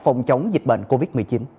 phòng chống dịch bệnh covid một mươi chín